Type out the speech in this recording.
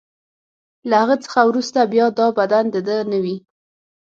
له هغه څخه وروسته بیا دا بدن د ده نه وي.